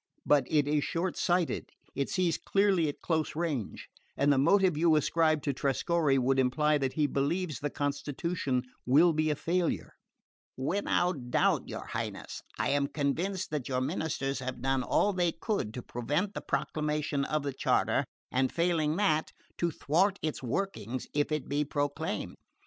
But if it is short sighted it sees clearly at close range; and the motive you ascribe to Trescorre would imply that he believes the constitution will be a failure." "Without doubt, your Highness. I am convinced that your ministers have done all they could to prevent the proclamation of the charter, and failing that, to thwart its workings if it be proclaimed.